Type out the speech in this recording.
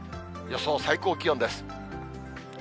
予想最高気温です。